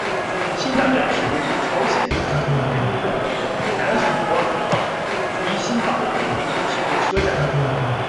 新大站是位于朝鲜民主主义人民共和国黄海南道瓜饴郡新大里的一个铁路车站。